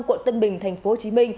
quận tân bình tp hcm